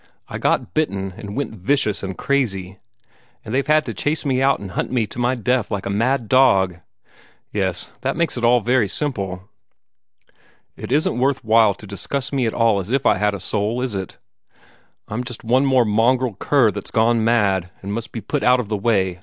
I got bitten and went vicious and crazy, and they've had to chase me out and hunt me to my death like a mad dog! Yes, that makes it all very simple. It isn't worth while to discuss me at all as if I had a soul, is it? I'm just one more mongrel cur that's gone mad, and must be put out of the way.